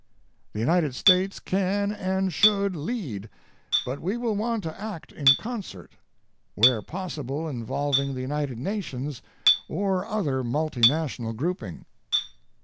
The United States can and should lead, but we will want to act in concert, where possible involving the United Nations or other multinational grouping.